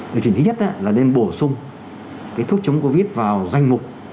điều chỉnh thứ nhất là nên bổ sung thuốc chống covid vào danh mục